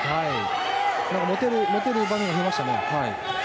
持てる場面、増えましたね。